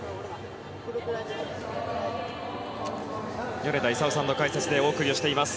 米田功さんの解説でお送りをしています。